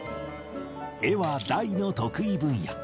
絵は大の得意分野。